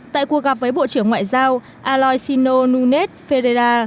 tại cuộc gặp với bộ trưởng ngoại giao aloisino nunes ferreira